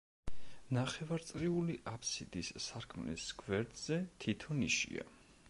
ნახევარწრიული აფსიდის სარკმლის გვერდებზე თითო ნიშია.